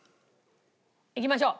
いきましょう。